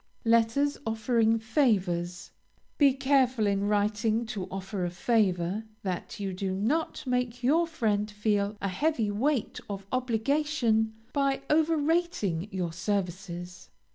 LETTERS OFFERING FAVORS Be careful in writing to offer a favor, that you do not make your friend feel a heavy weight of obligation by over rating your services.